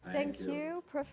terima kasih prof